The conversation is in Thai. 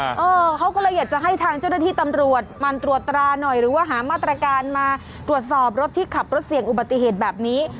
เออเขาก็เลยอยากจะให้ทางเจ้าหน้าที่ตำรวจมันตรวจตราหน่อยหรือว่าหามาตรการมาตรวจสอบรถที่ขับรถเสี่ยงอุบัติเหตุแบบนี้